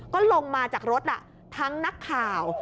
ก็ลงมาจากรถทั้งนักข่าว